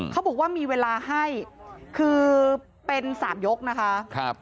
เขาบอกว่ามีเวลาให้คือเป็น๓ยกนะคะ